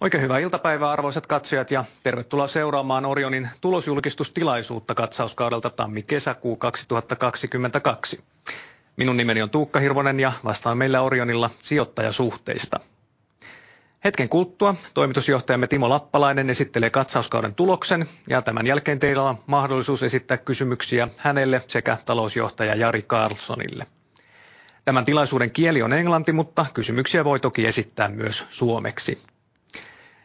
Oikein hyvää iltapäivää arvoisat katsojat ja tervetuloa seuraamaan Orionin tulosjulkistustilaisuutta katsauskaudelta tammikesäkuu 2022. Minun nimeni on Tuukka Hirvonen ja vastaan meillä Orionilla sijoittajasuhteista. Hetken kuluttua toimitusjohtajamme Timo Lappalainen esittelee katsauskauden tuloksen ja tämän jälkeen teillä on mahdollisuus esittää kysymyksiä hänelle sekä talousjohtaja Jari Karlsonille. Tämän tilaisuuden kieli on englanti, mutta kysymyksiä voi toki esittää myös suomeksi.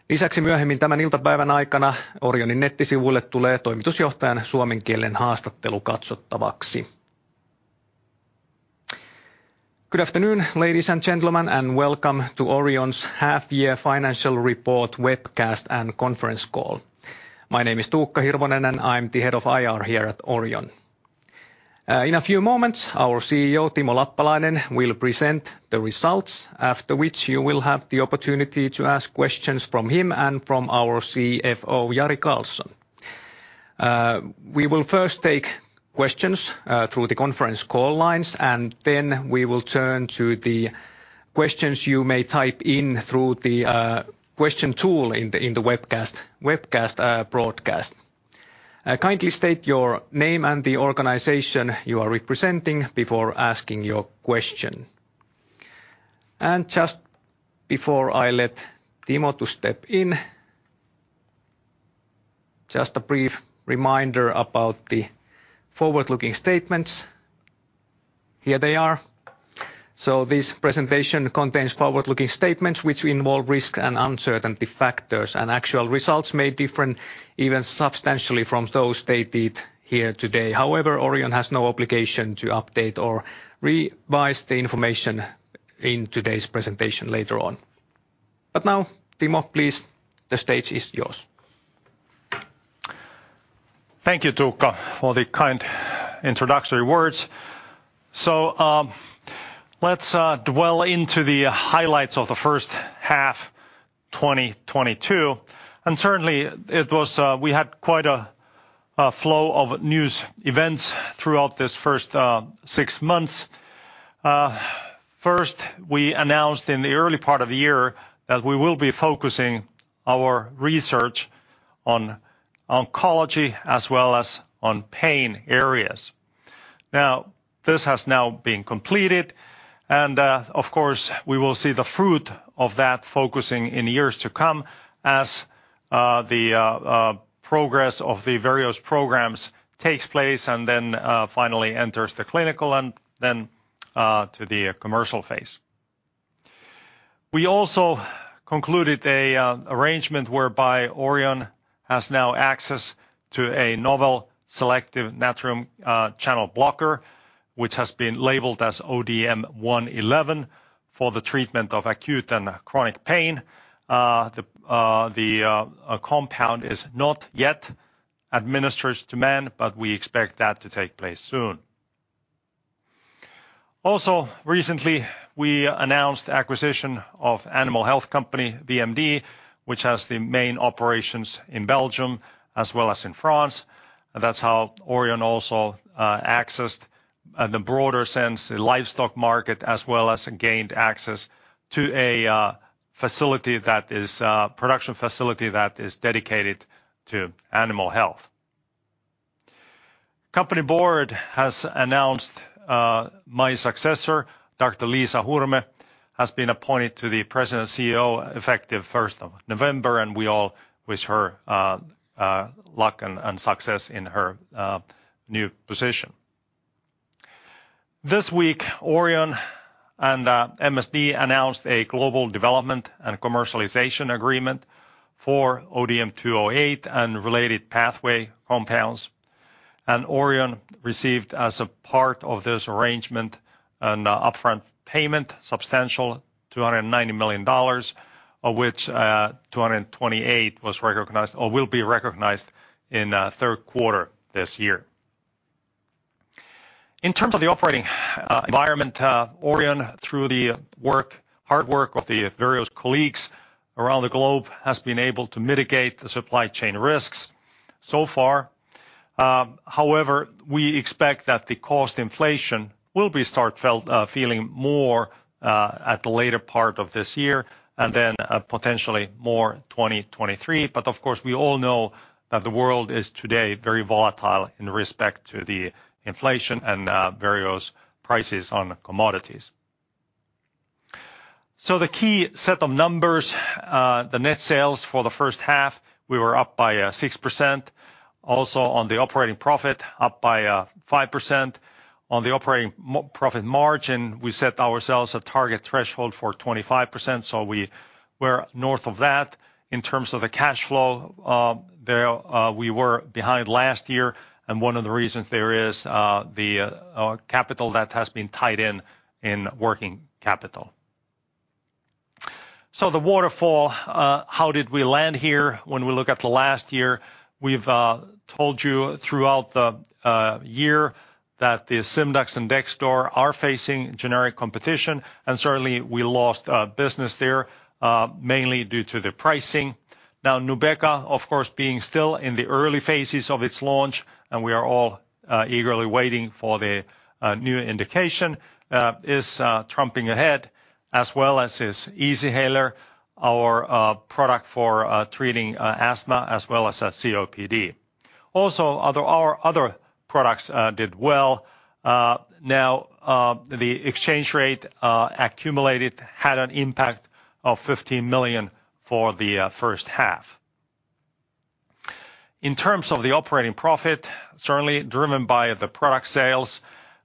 Lisäksi myöhemmin tämän iltapäivän aikana Orionin nettisivuille tulee toimitusjohtajan suomenkielinen haastattelu katsottavaksi. Good afternoon ladies and gentlemen and welcome to Orion's half year financial report webcast and conference call. My name is Tuukka Hirvonen and I'm the head of IR here at Orion. In a few moments, our CEO Timo Lappalainen will present the results after which you will have the opportunity to ask questions from him and from our CFO Jari Karlson. We will first take questions through the conference call lines, and then we will turn to the questions you may type in through the question tool in the webcast broadcast. Kindly state your name and the organization you are representing before asking your question. Just before I let Timo step in, just a brief reminder about the forward-looking statements. Here they are. This presentation contains forward-looking statements which involve risk and uncertainty factors, and actual results may differ even substantially from those stated here today. However, Orion has no obligation to update or revise the information in today's presentation later on. Now, Timo, please, the stage is yours. Thank you, Tuukka, for the kind introductory words. Let's delve into the highlights of the first half 2022. Certainly it was, we had quite a flow of news events throughout this first six months. First we announced in the early part of the year that we will be focusing our research on oncology as well as on pain areas. Now this has now been completed and, of course we will see the fruit of that focusing in years to come as the progress of the various programs takes place and then finally enters the clinical and then to the commercial phase. We also concluded an arrangement whereby Orion has now access to a novel selective sodium channel blocker, which has been labeled as ODM-111 for the treatment of acute and chronic pain. The compound is not yet administered to men, but we expect that to take place soon. Also, recently we announced acquisition of animal health company VMD, which has the main operations in Belgium as well as in France. That's how Orion also accessed the broader sense livestock market as well as gained access to a production facility that is dedicated to animal health. Company board has announced my successor. Dr. Liisa Hurme has been appointed to the President and CEO effective first of November, and we all wish her luck and success in her new position. This week, Orion and MSD announced a global development and commercialization agreement for ODM-208 and related pathway compounds. Orion received as a part of this arrangement an upfront payment, substantial $290 million of which $228 million was recognized or will be recognized in third quarter this year. In terms of the operating environment, Orion through the hard work of the various colleagues around the globe has been able to mitigate the supply chain risks so far. However, we expect that the cost inflation will start to be felt more at the later part of this year and then potentially more 2023. Of course we all know that the world is today very volatile in respect to the inflation and various prices on commodities. The key set of numbers, the net sales for the first half we were up by 6% also on the operating profit up by 5% on the operating profit margin we set ourselves a target threshold for 25%, so we were north of that. In terms of the cash flow, there we were behind last year and one of the reasons there is the capital that has been tied in in working capital. The waterfall, how did we land here? When we look at the last year we've told you throughout the year that the Simdax and Dexdor are facing generic competition and certainly we lost business there mainly due to the pricing. Now Nubeqa, of course, being still in the early phases of its launch, and we are all eagerly waiting for the new indication, is ramping ahead, as well as is Easyhaler, our product for treating asthma as well as COPD. Also our other products did well. Now the exchange rate accumulated had an impact of 15 million for the first half. In terms of the operating profit, certainly driven by the product sales,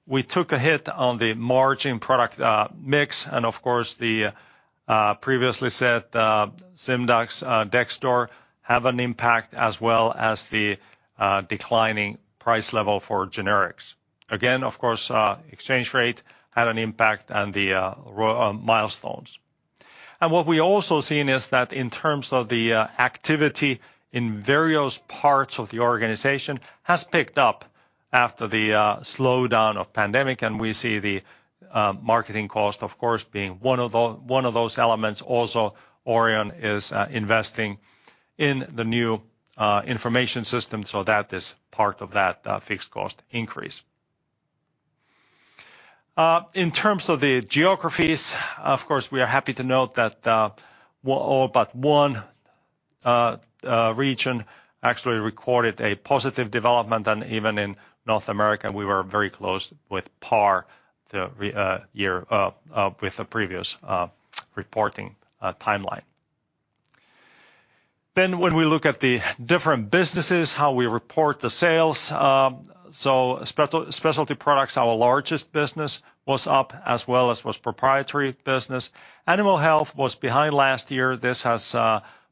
we took a hit on the margin product mix, and of course the previously said Simdax, Dexdor have an impact as well as the declining price level for generics. Again, of course, exchange rate had an impact on the milestones. What we also seen is that in terms of the activity in various parts of the organization has picked up after the slowdown of pandemic, and we see the marketing cost, of course, being one of those elements. Also, Orion is investing in the new information system, so that is part of that fixed cost increase. In terms of the geographies, of course, we are happy to note that all but one region actually recorded a positive development, and even in North America, we were very close, par with the previous reporting timeline. When we look at the different businesses, how we report the sales, so specialty products, our largest business was up as well as was proprietary business. Animal health was behind last year. This has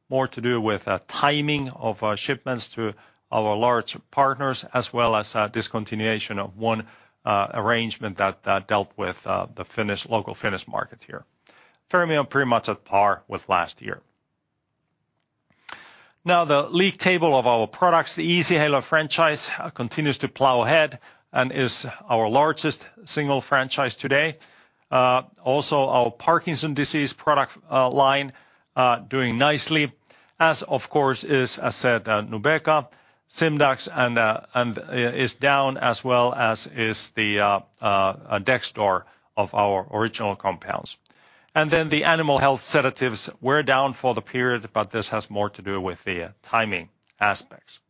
more to do with the timing of shipments to our large partners as well as discontinuation of one arrangement that dealt with the local Finnish market here. Pharmacy are pretty much at par with last year. Now, the league table of our products, the Easyhaler franchise, continues to plow ahead and is our largest single franchise today. Also our Parkinson's disease product line doing nicely, as of course is, as said, Nubeqa. Simdax is down as well as is the Dexdor of our original compounds. Then the animal health sedatives were down for the period, but this has more to do with the timing aspects.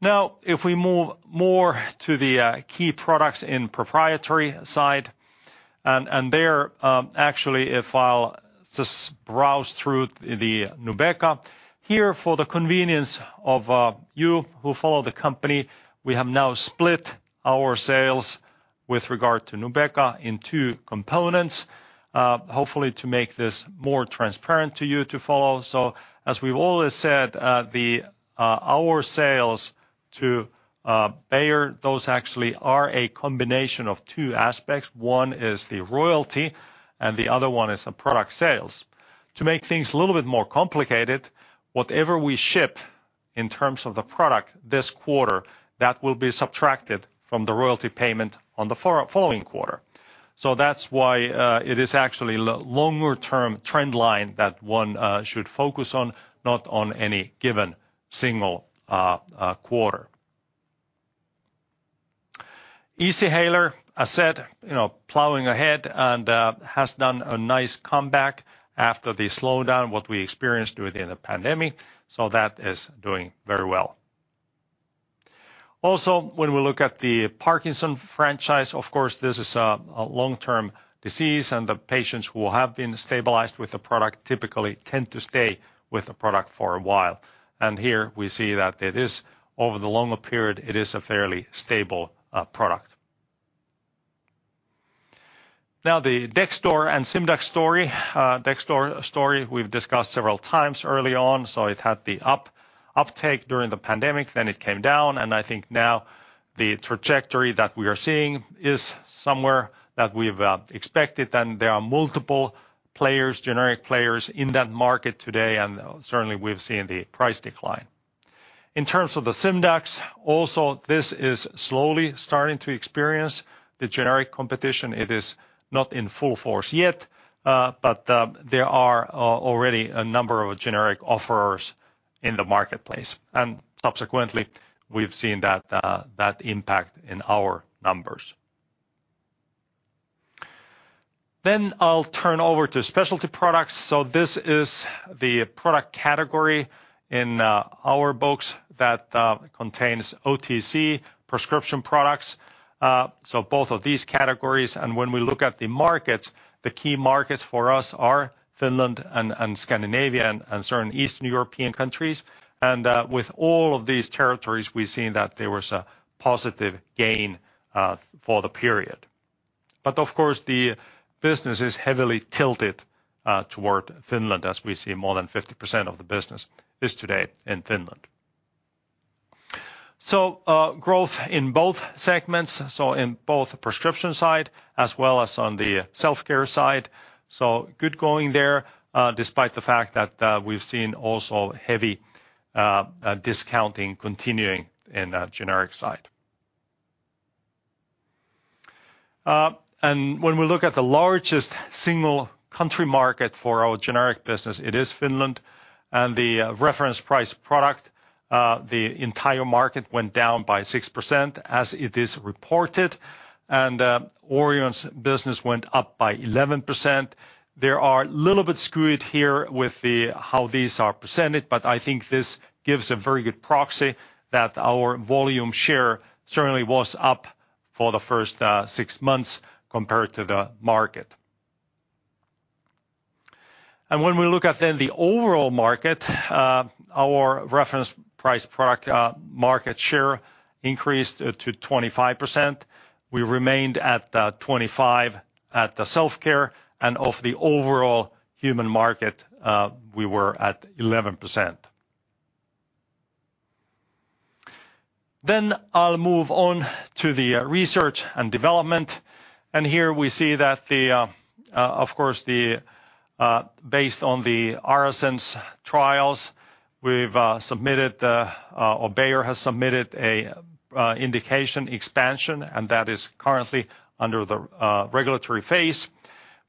Now, if we move more to the key products in proprietary side, there, actually, if I'll just browse through the Nubeqa. Here for the convenience of you who follow the company, we have now split our sales with regard to Nubeqa in two components, hopefully to make this more transparent to you to follow. As we've always said, our sales to Bayer, those actually are a combination of two aspects. One is the royalty, and the other one is the product sales. To make things a little bit more complicated, whatever we ship in terms of the product this quarter, that will be subtracted from the royalty payment on the following quarter. That's why it is actually longer term trend line that one should focus on, not on any given single quarter. Easyhaler, I said, you know, plowing ahead and has done a nice comeback after the slowdown, what we experienced during the pandemic. That is doing very well. Also, when we look at the Parkinson's franchise, of course, this is a long-term disease, and the patients who have been stabilized with the product typically tend to stay with the product for a while. Here we see that it is over the longer period, it is a fairly stable product. Now, the Dexdor and Simdax story, Dexdor story we've discussed several times early on, so it had the uptake during the pandemic, then it came down, and I think now the trajectory that we are seeing is somewhere that we've expected, and there are multiple players, generic players in that market today, and certainly we've seen the price decline. In terms of the Simdax, also this is slowly starting to experience the generic competition. It is not in full force yet, but there are already a number of generic offerers in the marketplace, and subsequently we've seen that impact in our numbers. I'll turn over to specialty products. This is the product category in our books that contains OTC prescription products, so both of these categories. When we look at the markets, the key markets for us are Finland and Scandinavia and certain Eastern European countries. With all of these territories, we've seen that there was a positive gain for the period. Of course, the business is heavily tilted toward Finland as we see more than 50% of the business is today in Finland. Growth in both segments, so in both prescription side as well as on the self-care side. Good going there, despite the fact that we've seen also heavy discounting continuing in that generic side. When we look at the largest single country market for our generic business, it is Finland, and the reference price product, the entire market went down by 6% as it is reported, and Orion's business went up by 11%. They're a little bit skewed here with how these are presented, but I think this gives a very good proxy that our volume share certainly was up for the first six months compared to the market. When we look then at the overall market, our reference price product market share increased to 25%. We remained at 25% at the self-care end of the overall human market, we were at 11%. I'll move on to the research and development. Here we see that of course based on the ARASENS trials, Bayer has submitted an indication expansion, and that is currently under the regulatory phase.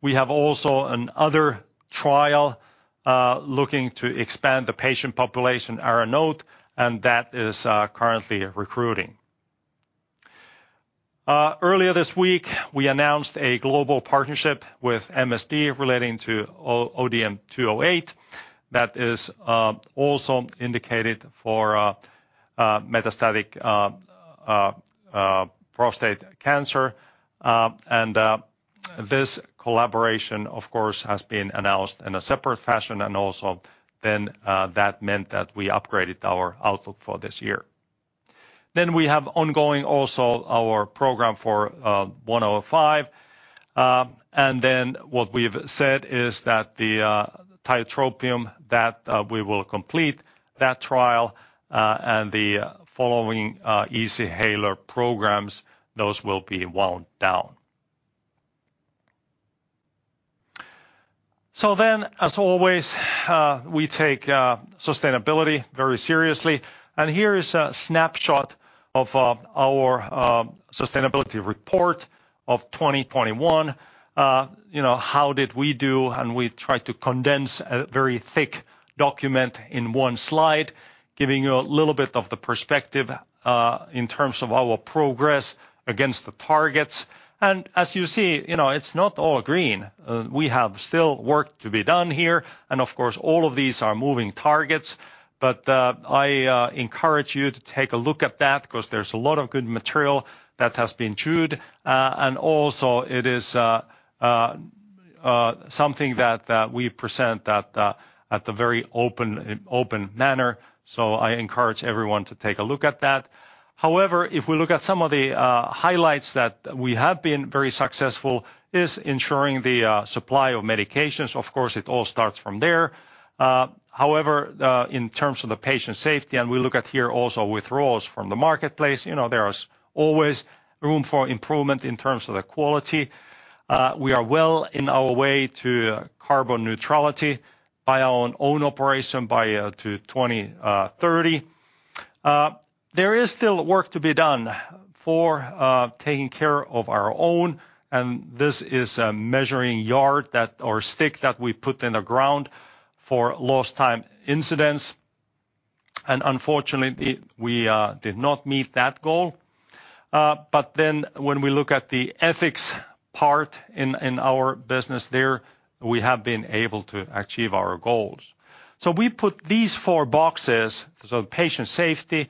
We have also another trial looking to expand the patient population, ARANOTE, and that is currently recruiting. Earlier this week, we announced a global partnership with MSD relating to ODM-208 that is also indicated for prostate cancer. This collaboration, of course, has been announced in a separate fashion and also that meant that we upgraded our outlook for this year. We have ongoing also our program for ODM-105. What we've said is that the tiotropium that we will complete that trial and the following Easyhaler programs, those will be wound down. As always, we take sustainability very seriously. Here is a snapshot of our sustainability report of 2021. You know, how did we do? We tried to condense a very thick document in one slide, giving you a little bit of the perspective in terms of our progress against the targets. As you see, you know, it's not all green. We have still work to be done here, and of course, all of these are moving targets. I encourage you to take a look at that 'cause there's a lot of good material that has been chewed. It is also something that we present in a very open manner. I encourage everyone to take a look at that. However, if we look at some of the highlights, we have been very successful in ensuring the supply of medications. Of course, it all starts from there. However, in terms of patient safety, and we look here also at withdrawals from the marketplace, you know, there is always room for improvement in terms of the quality. We are well on our way to carbon neutrality by our own operation by 2030. There is still work to be done for taking care of our own, and this is a measuring yard or stick that we put in the ground for lost time incidents. Unfortunately, we did not meet that goal. When we look at the ethics part in our business there, we have been able to achieve our goals. We put these four boxes, so patient safety,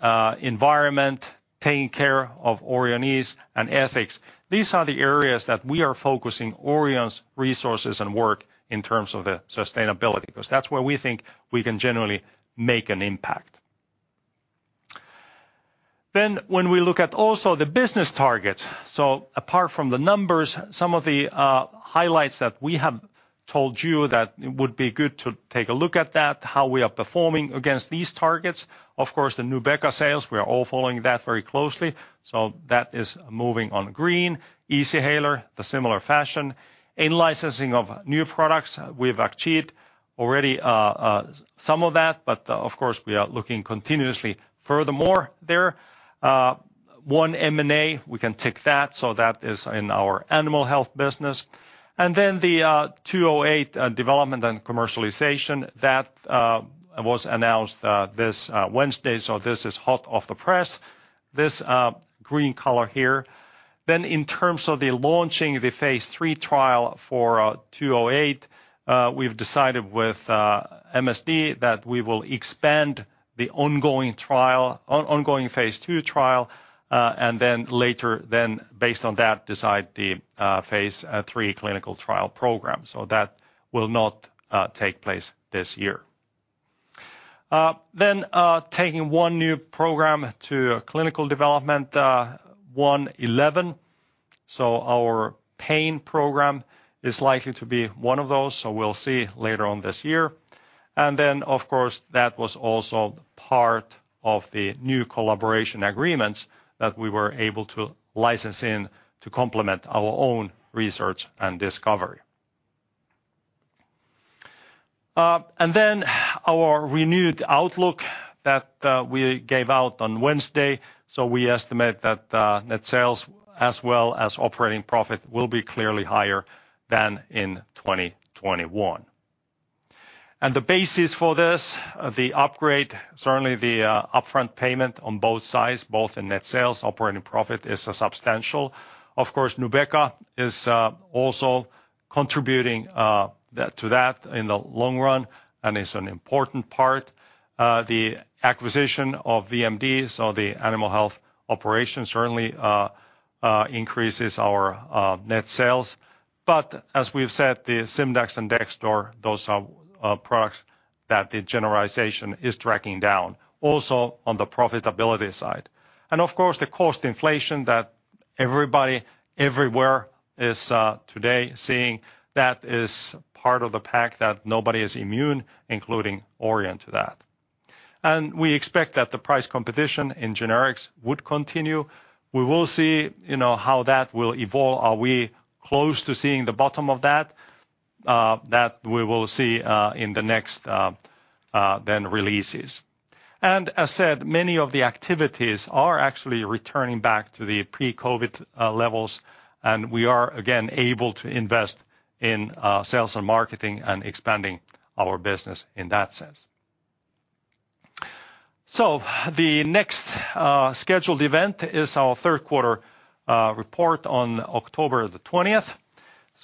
environment, taking care of Orionees, and ethics. These are the areas that we are focusing Orion's resources and work in terms of the sustainability, because that's where we think we can generally make an impact. When we look at also the business targets, so apart from the numbers, some of the highlights that we have told you that it would be good to take a look at that, how we are performing against these targets. Of course, the Nubeqa sales, we are all following that very closely, so that is moving on green. Easyhaler, the similar fashion. In-licensing of new products, we've achieved already some of that, but of course, we are looking continuously. Furthermore, one M&A, we can tick that, so that is in our animal health business. ODM-208 development and commercialization that was announced this Wednesday, so this is hot off the press, this green color here. In terms of launching the phase III trial for ODM-208, we've decided with MSD that we will expand the ongoing phase II trial, and then later based on that, decide the phase III clinical trial program. That will not take place this year. Taking one new program to clinical development, ODM-111. Our pain program is likely to be one of those, we'll see later on this year. Of course, that was also part of the new collaboration agreements that we were able to license in to complement our own research and discovery. Our renewed outlook that we gave out on Wednesday. We estimate that net sales as well as operating profit will be clearly higher than in 2021. The basis for this, the upgrade, certainly the upfront payment on both sides, both in net sales, operating profit is substantial. Of course, Nubeqa is also contributing that to that in the long run and is an important part. The acquisition of VMD, the animal health operation certainly increases our net sales. As we've said, the Simdax and Dexdor, those are products that the general erosion is dragging down, also on the profitability side. Of course, the cost inflation that everybody everywhere is today seeing that is part of the package that nobody is immune to that, including Orion. We expect that the price competition in generics would continue. We will see, you know, how that will evolve. Are we close to seeing the bottom of that? That we will see in the next interim releases. As said, many of the activities are actually returning back to the pre-COVID levels, and we are again able to invest in sales and marketing and expanding our business in that sense. The next scheduled event is our third quarter report on October 20.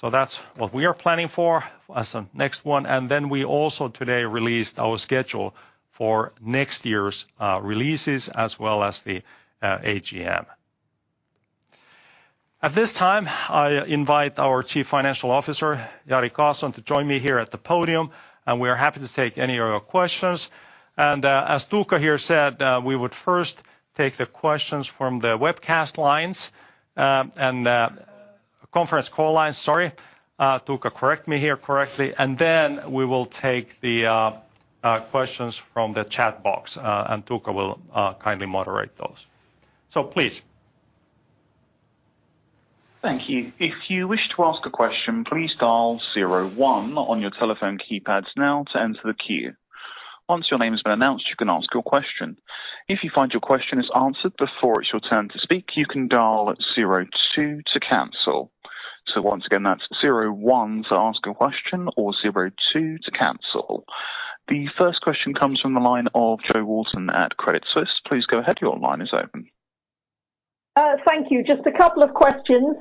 That's what we are planning for as the next one. Then we also today released our schedule for next year's releases as well as the AGM. At this time, I invite our Chief Financial Officer, Jari Karlson, to join me here at the podium, and we are happy to take any of your questions. As Tuukka here said, we would first take the questions from the webcast lines and conference call lines. Sorry, Tuukka, correct me here correctly. Then we will take the questions from the chat box, and Tuukka will kindly moderate those. Please. Thank you. If you wish to ask a question, please dial zero one on your telephone keypads now to enter the queue. Once your name has been announced, you can ask your question. If you find your question is answered before it's your turn to speak, you can dial zero two to cancel. Once again, that's zero one to ask a question or zero two to cancel. The first question comes from the line of Jo Walton at Credit Suisse. Please go ahead. Your line is open. Thank you. Just a couple of questions.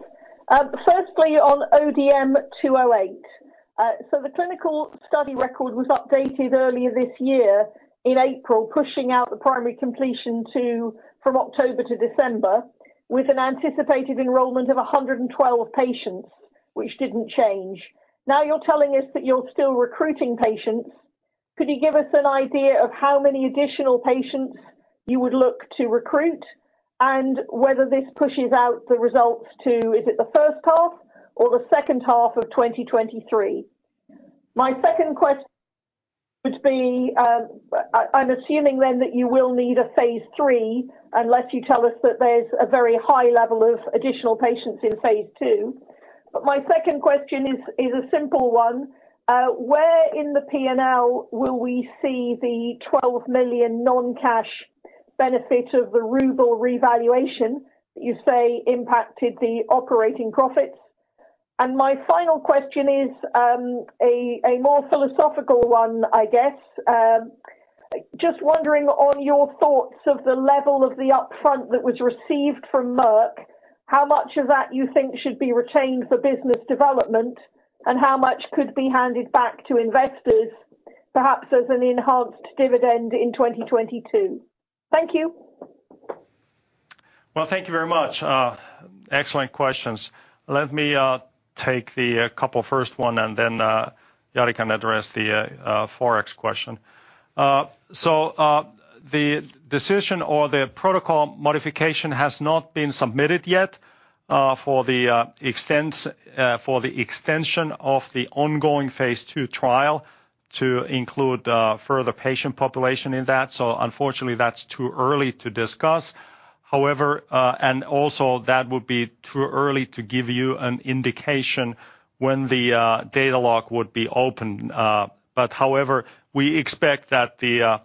Firstly on ODM-208. So the clinical study record was updated earlier this year in April, pushing out the primary completion from October to December with an anticipated enrollment of 112 patients, which didn't change. Now you're telling us that you're still recruiting patients. Could you give us an idea of how many additional patients you would look to recruit and whether this pushes out the results, is it the first half or the second half of 2023? My second question would be, I'm assuming then that you will need a phase III unless you tell us that there's a very high level of additional patients in phase II. But my second question is a simple one. Where in the P&L will we see the 12 million non-cash benefit of the ruble revaluation that you say impacted the operating profits? My final question is, a more philosophical one I guess. Just wondering on your thoughts of the level of the upfront that was received from Merck, how much of that you think should be retained for business development and how much could be handed back to investors perhaps as an enhanced dividend in 2022? Thank you. Well, thank you very much. Excellent questions. Let me take the first couple and then Jari can address the Forex question. The decision or the protocol modification has not been submitted yet for the extension of the ongoing phase II trial to include further patient population in that. Unfortunately, that's too early to discuss. However, that would also be too early to give you an indication when the data lock would be open. However, we expect that the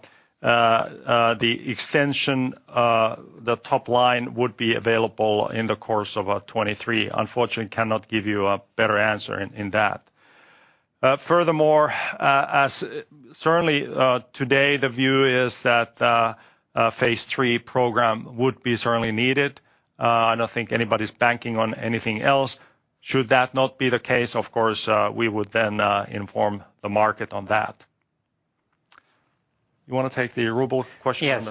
extension top line would be available in the course of 2023. Unfortunately, cannot give you a better answer in that. Furthermore, certainly today the view is that a phase III program would be certainly needed. I don't think anybody's banking on anything else. Should that not be the case, of course, we would then inform the market on that. You wanna take the ruble question? Yes.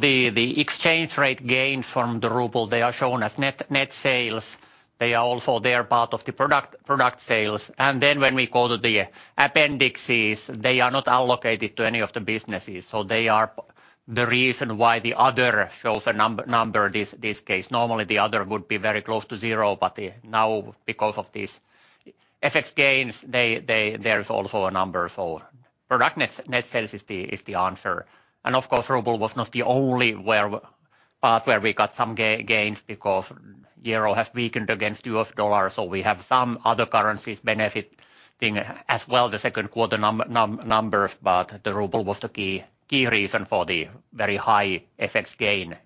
The exchange rate gained from the ruble, they are shown as net sales. They are also part of the product sales. When we go to the appendices, they are not allocated to any of the businesses. They are the reason why the other shows a number this case. Normally the other would be very close to zero. Now because of these FX gains, there's also a number for product net sales is the answer. Of course, ruble was not the only where we got some gains because euro has weakened against U.S. dollar, so we have some other currencies benefiting as well the second quarter numbers, but the ruble was the key reason for the very high FX gain.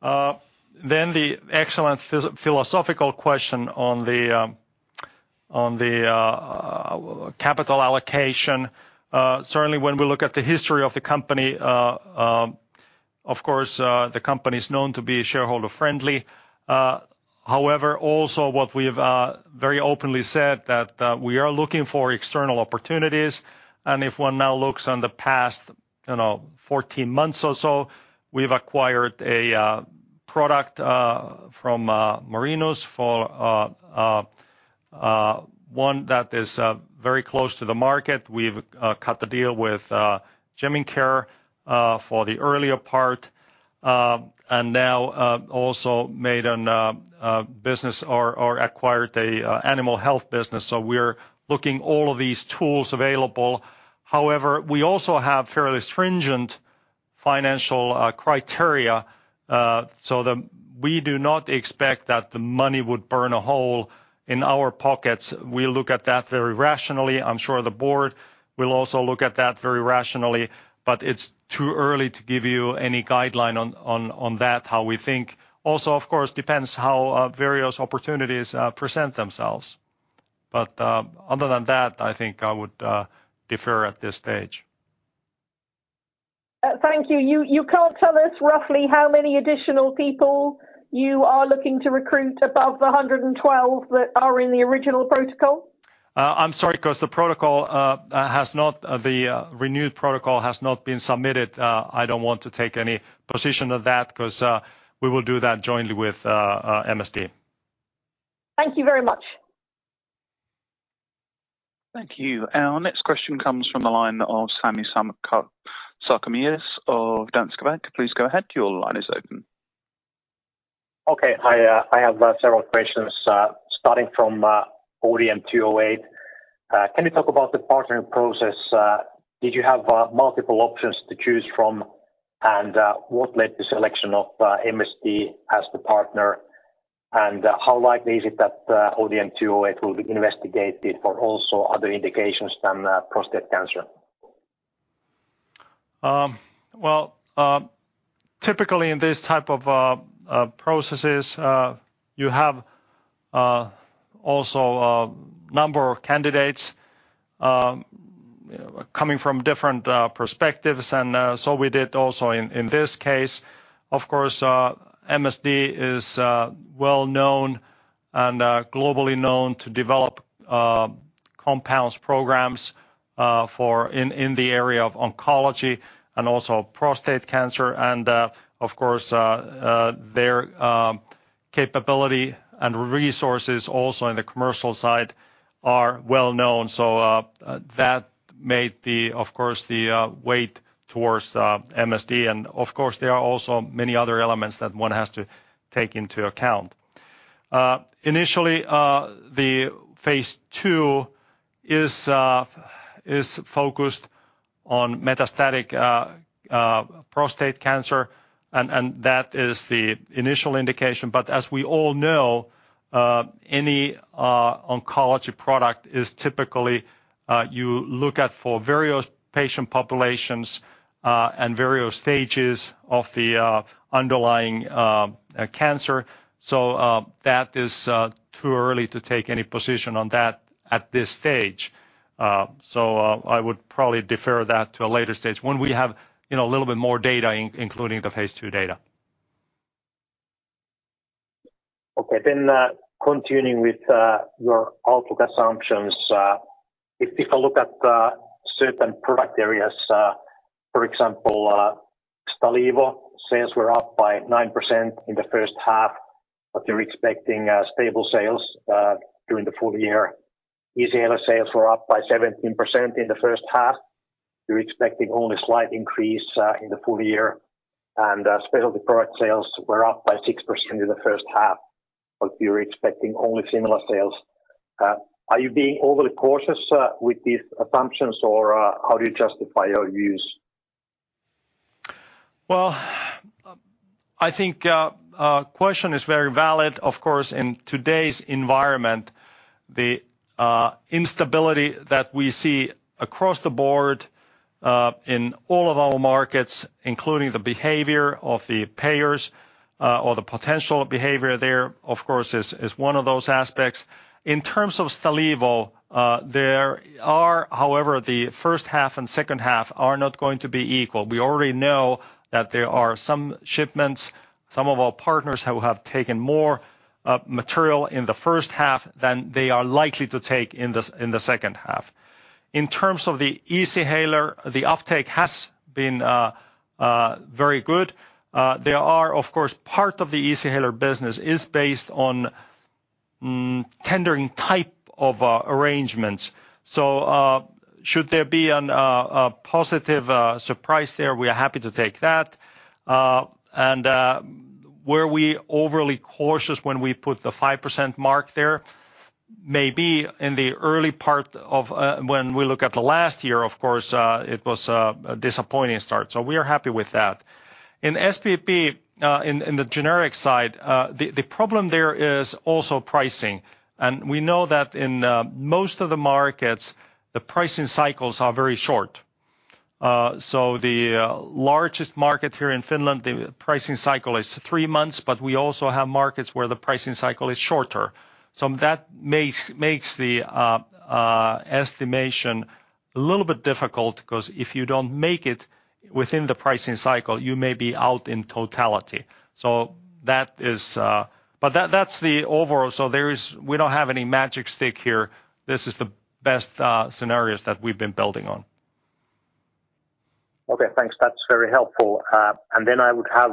The excellent philosophical question on the capital allocation. Certainly when we look at the history of the company, of course, the company is known to be shareholder friendly. However, we have also very openly said that we are looking for external opportunities, and if one now looks back on the past, you know, 14-months or so, we've acquired a product from Marinus, one that is very close to the market. We've cut the deal with Jemincare for the earlier part, and now also made an acquisition of an animal health business, so we're looking at all of these tools available. However, we also have fairly stringent financial criteria, so the- We do not expect that the money would burn a hole in our pockets. We look at that very rationally. I'm sure the board will also look at that very rationally, but it's too early to give you any guideline on that, how we think. Also, of course, depends how various opportunities present themselves. Other than that, I think I would defer at this stage. Thank you. You can't tell us roughly how many additional people you are looking to recruit above the 112 that are in the original protocol? I'm sorry. The renewed protocol has not been submitted. I don't want to take any position on that because we will do that jointly with MSD. Thank you very much. Thank you. Our next question comes from the line of Sami Sarkamies of Danske Bank. Please go ahead. Your line is open. Okay. I have several questions starting from ODM-208. Can you talk about the partnering process? Did you have multiple options to choose from? What led the selection of MSD as the partner? How likely is it that ODM-208 will be investigated for also other indications than prostate cancer? Well, typically in these type of processes, you have also a number of candidates coming from different perspectives, so we did also in this case. Of course, MSD is well known and globally known to develop compounds programs for in the area of oncology and also prostate cancer. Of course, their capability and resources also in the commercial side are well known. That made, of course, the weight towards MSD. Of course, there are also many other elements that one has to take into account. Initially, the phase II is focused on metastatic prostate cancer, and that is the initial indication. As we all know, any oncology product is typically you look at for various patient populations and various stages of the underlying cancer. That is too early to take any position on that at this stage. I would probably defer that to a later stage when we have, you know, a little bit more data, including the phase II data. Okay. Continuing with your outlook assumptions, if you can look at certain product areas, for example, Stalevo sales were up by 9% in the first half, but you're expecting stable sales during the full year. Easyhaler sales were up by 17% in the first half. You're expecting only slight increase in the full year. Specialty product sales were up by 6% in the first half, but you're expecting only similar sales. Are you being overly cautious with these assumptions, or how do you justify your views? Well, I think question is very valid. Of course, in today's environment, the instability that we see across the board in all of our markets, including the behavior of the payers or the potential behavior there, of course, is one of those aspects. In terms of Stalevo, there are. However, the first half and second half are not going to be equal. We already know that there are some shipments, some of our partners who have taken more material in the first half than they are likely to take in the second half. In terms of the Easyhaler, the uptake has been very good. There are, of course, part of the Easyhaler business is based on tendering type of arrangements. Should there be a positive surprise there, we are happy to take that. Were we overly cautious when we put the 5% mark there? Maybe in the early part of when we look at the last year, of course, it was a disappointing start, so we are happy with that. In SPP, in the generic side, the problem there is also pricing. We know that in most of the markets the pricing cycles are very short. The largest market here in Finland, the pricing cycle is three months, but we also have markets where the pricing cycle is shorter. So that makes the estimation a little bit difficult, 'cause if you don't make it within the pricing cycle, you may be out in totality. That's the overall. We don't have any magic stick here. This is the best scenarios that we've been building on. Okay, thanks. That's very helpful. I would have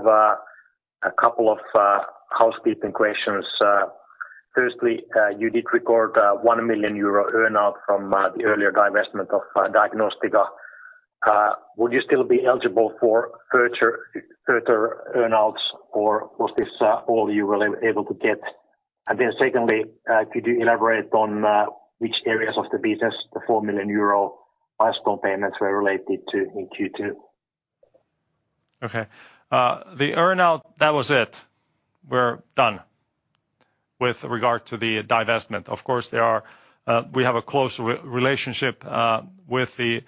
a couple of housekeeping questions. Firstly, you did record 1 million euro earn out from the earlier divestment of Diagnostica. Would you still be eligible for further earn outs or was this all you will ever be able to get? Secondly, could you elaborate on which areas of the business the 4 million euro milestone payments were related to in Q2? Okay. The earn-out, that was it. We're done with regard to the divestment. Of course, we have a close relationship with the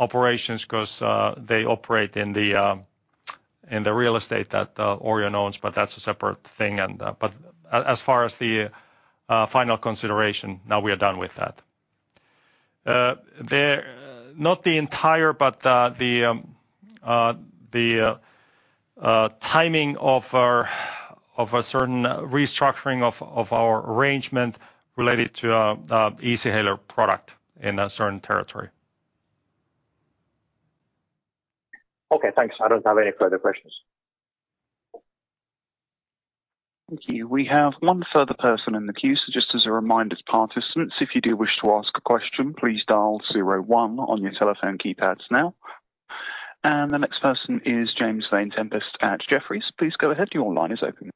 operations because they operate in the real estate that Orion owns, but that's a separate thing. But as far as the final consideration, now we are done with that. Not the entire, but the timing of a certain restructuring of our arrangement related to Easyhaler product in a certain territory. Okay, thanks. I don't have any further questions. Thank you. We have one further person in the queue, so just as a reminder to participants, if you do wish to ask a question, please dial zero one on your telephone keypads now. The next person is James Vane-Tempest at Jefferies. Please go ahead. Your line is open.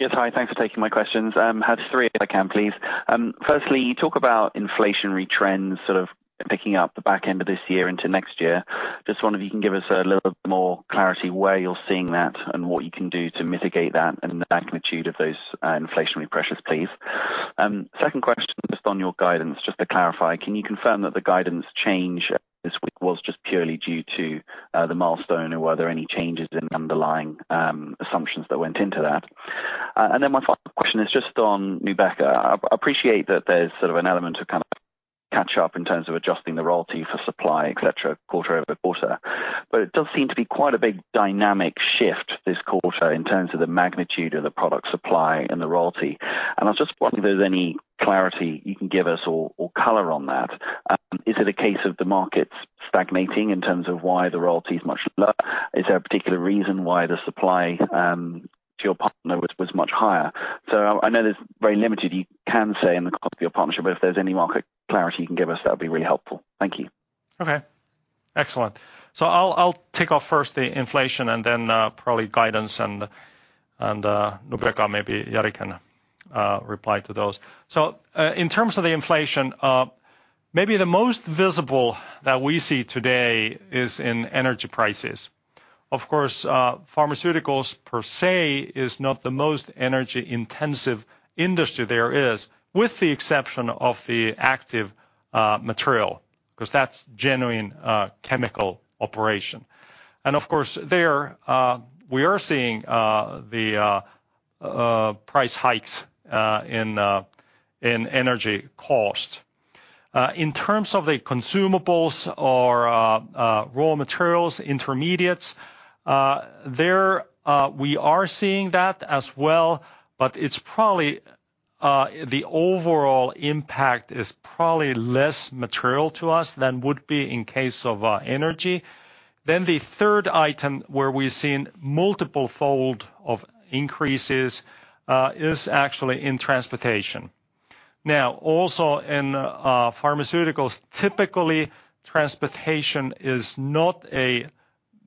Yes, hi. Thanks for taking my questions. I have three if I can, please. Firstly, you talk about inflationary trends sort of picking up the back end of this year into next year. Just wonder if you can give us a little bit more clarity where you're seeing that and what you can do to mitigate that and the magnitude of those inflationary pressures, please. Second question, just on your guidance, just to clarify, can you confirm that the guidance change this week was just purely due to the milestone or were there any changes in underlying assumptions that went into that? And then my final question is just on Nubeqa. I appreciate that there's sort of an element of kind of catch up in terms of adjusting the royalty for supply, etc, quarter-over-quarter, but it does seem to be quite a big dynamic shift this quarter in terms of the magnitude of the product supply and the royalty. I was just wondering if there's any clarity you can give us or color on that. Is it a case of the markets stagnating in terms of why the royalty is much lower? Is there a particular reason why the supply to your partner was much higher? I know there's very limited you can say in the terms of your partnership, but if there's any market clarity you can give us, that'd be really helpful. Thank you. Okay. Excellent. I'll take off first the inflation and then probably guidance and Nubeqa maybe Jari can reply to those. In terms of the inflation, maybe the most visible that we see today is in energy prices. Of course, pharmaceuticals per se is not the most energy intensive industry there is, with the exception of the active material, 'cause that's genuine chemical operation. Of course, there we are seeing the price hikes in energy cost. In terms of the consumables or raw materials, intermediates, there we are seeing that as well, but it's probably the overall impact is probably less material to us than would be in case of energy. The third item where we've seen multiple fold of increases is actually in transportation. Also in pharmaceuticals, typically transportation is not a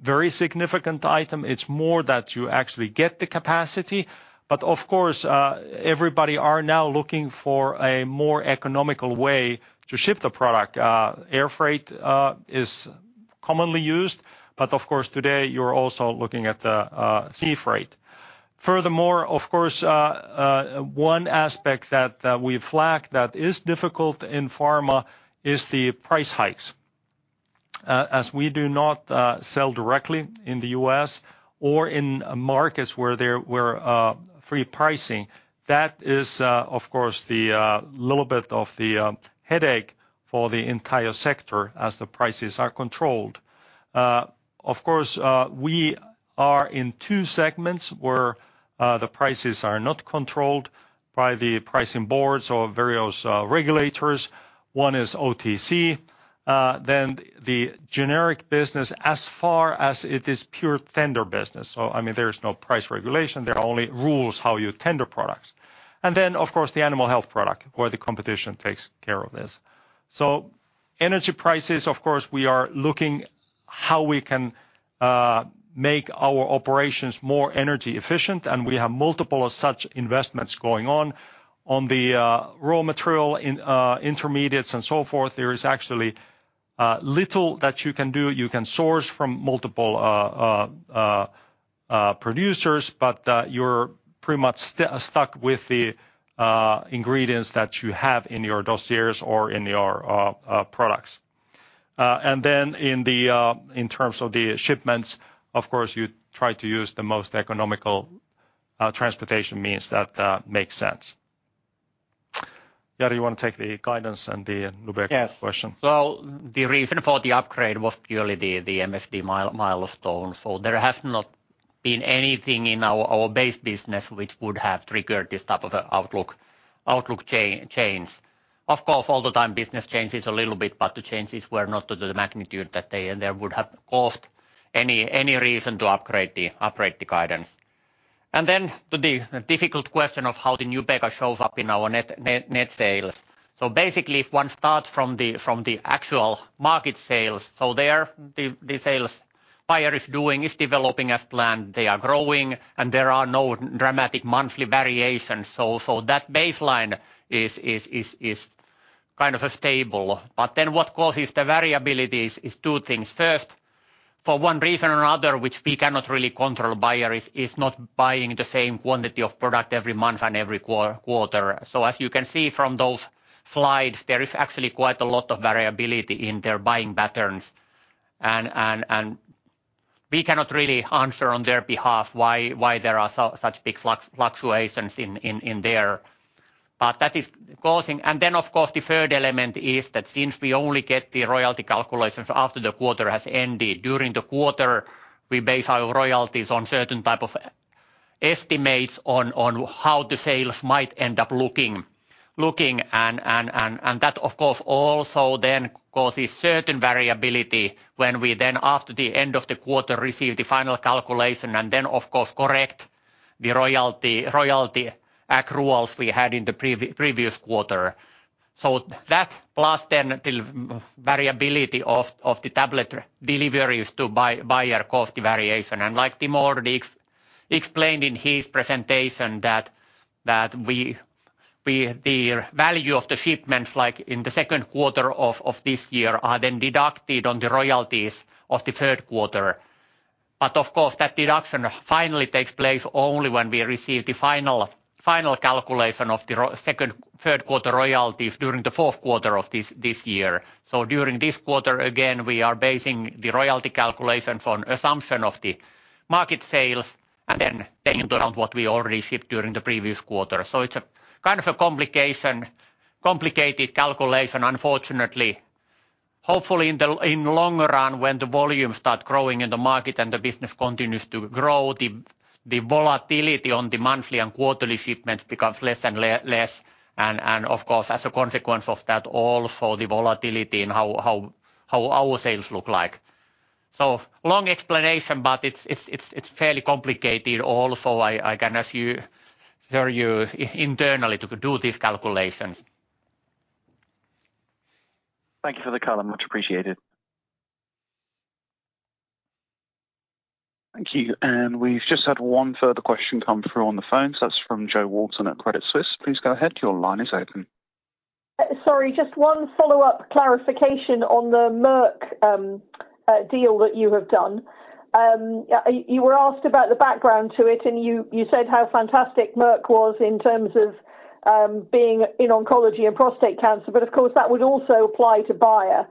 very significant item. It's more that you actually get the capacity. Of course, everybody are now looking for a more economical way to ship the product. Air freight is commonly used, but of course, today you're also looking at the sea freight. Furthermore, of course, one aspect that we've lacked that is difficult in pharma is the price hikes. As we do not sell directly in the U.S. or in markets where there were free pricing, that is, of course, the little bit of the headache for the entire sector as the prices are controlled. Of course, we are in two segments where the prices are not controlled by the pricing boards or various regulators. One is OTC, then the generic business as far as it is pure tender business. I mean, there is no price regulation. There are only rules how you tender products. Of course, the animal health product where the competition takes care of this. Energy prices, of course, we are looking how we can make our operations more energy efficient, and we have multiple of such investments going on. On the raw material in intermediates and so forth, there is actually little that you can do. You can source from multiple producers, but you're pretty much stuck with the ingredients that you have in your dossiers or in your products. In terms of the shipments, of course, you try to use the most economical transportation means that makes sense. Jari Karlson, you wanna take the guidance and the Nubeqa question? Yes. Well, the reason for the upgrade was purely the MSD milestone. There has not been anything in our base business which would have triggered this type of a outlook change. Of course, all the time business changes a little bit, but the changes were not to the magnitude that they would have caused any reason to upgrade the guidance. To the difficult question of how the Nubeqa shows up in our net sales. Basically if one starts from the actual market sales, there the sales Bayer is doing is developing as planned. They are growing and there are no dramatic monthly variations. That baseline is kind of stable. But then what causes the variability is two things. First, for one reason or another, which we cannot really control, Bayer is not buying the same quantity of product every month and every quarter. As you can see from those slides, there is actually quite a lot of variability in their buying patterns. We cannot really answer on their behalf why there are such big fluctuations in there. That is causing. The third element is that since we only get the royalty calculations after the quarter has ended, during the quarter, we base our royalties on certain type of estimates on how the sales might end up looking and that of course also then causes certain variability when we then, after the end of the quarter, receive the final calculation and then of course correct the royalty accruals we had in the previous quarter. That plus then the variability of the tablet deliveries to Bayer caused the variation. Like Timo already explained in his presentation that the value of the shipments like in the second quarter of this year are then deducted on the royalties of the third quarter. Of course, that deduction finally takes place only when we receive the final calculation of the second, third quarter royalties during the fourth quarter of this year. During this quarter, again, we are basing the royalty calculation on assumption of the market sales and then paying around what we already shipped during the previous quarter. It's a kind of a complicated calculation, unfortunately. Hopefully in the longer run, when the volume starts growing in the market and the business continues to grow, the volatility on the monthly and quarterly shipments becomes less and, of course as a consequence of that also the volatility in how our sales look like. Long explanation, but it's fairly complicated also I can assure you internally to do these calculations. Thank you for the color. Much appreciated. Thank you. We've just had one further question come through on the phone. That's from Jo Walton at Credit Suisse. Please go ahead. Your line is open. Sorry, just one follow-up clarification on the Merck deal that you have done. You were asked about the background to it, and you said how fantastic Merck was in terms of being in oncology and prostate cancer, but of course that would also apply to Bayer.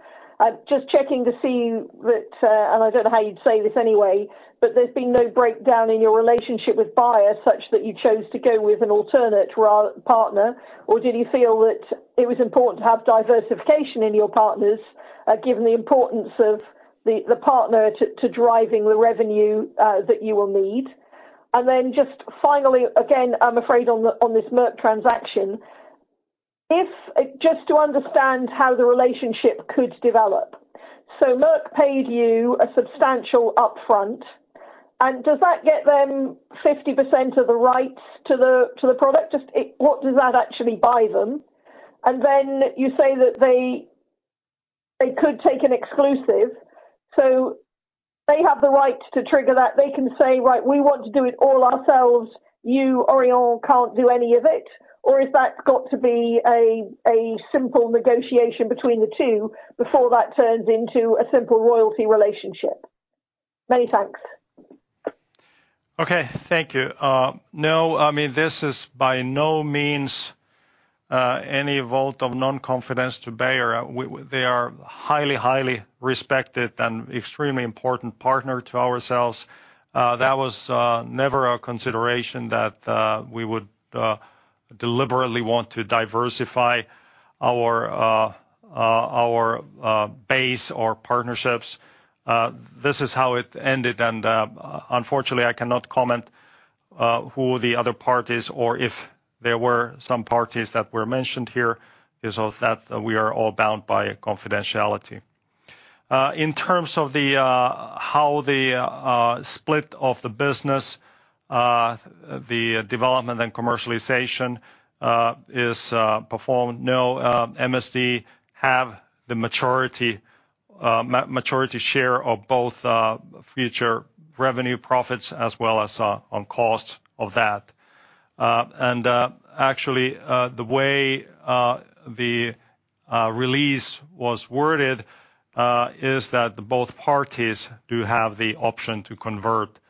Just checking to see that, and I don't know how you'd say this anyway, but there's been no breakdown in your relationship with Bayer such that you chose to go with an alternate partner, or did you feel that it was important to have diversification in your partners, given the importance of the partner to driving the revenue that you will need? Just finally, again, I'm afraid on this Merck & Co transaction, if just to understand how the relationship could develop, so Merck & Co paid you a substantial upfront, and does that get them 50% of the rights to the product? Just what does that actually buy them? You say that they could take an exclusive, so they have the right to trigger that. They can say, "Right, we want to do it all ourselves. You, Orion, can't do any of it." Has that got to be a simple negotiation between the two before that turns into a simple royalty relationship? Many thanks. Okay. Thank you. No, I mean, this is by no means any vote of non-confidence to Bayer. They are highly respected and extremely important partner to ourselves. That was never a consideration that we would deliberately want to diversify our base, our partnerships. This is how it ended and, unfortunately, I cannot comment who the other party is or if there were some parties that were mentioned here, it's that we are all bound by confidentiality. In terms of how the split of the business, the development and commercialization is performed, no, MSD have the majority share of both future revenues, profits as well as costs of that. Actually, the way the release was worded is that both parties do have the option to convert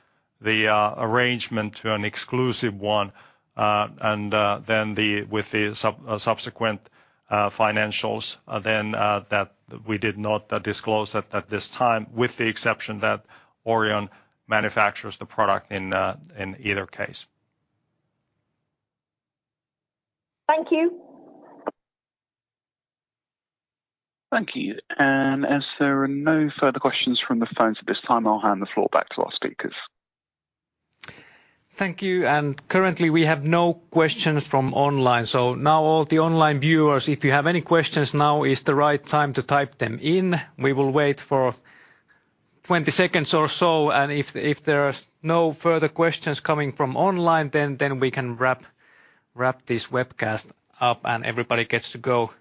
the arrangement to an exclusive one, and then, with the subsequent financials that we did not disclose at this time, with the exception that Orion manufactures the product in either case. Thank you. Thank you. As there are no further questions from the phones at this time, I'll hand the floor back to our speakers. Thank you. Currently we have no questions from online. Now all the online viewers, if you have any questions, now is the right time to type them in. We will wait for 20-seconds or so, and if there is no further questions coming from online, then we can wrap this webcast up and everybody gets to go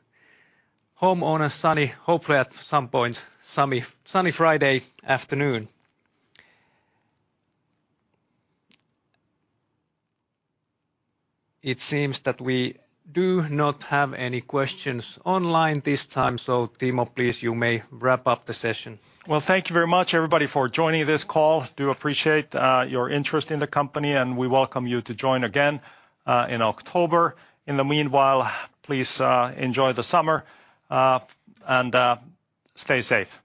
home on a sunny, hopefully at some point sunny Friday afternoon. It seems that we do not have any questions online this time. Timo, please, you may wrap up the session. Well, thank you very much, everybody, for joining this call. Do appreciate your interest in the company, and we welcome you to join again in October. In the meanwhile, please enjoy the summer and stay safe.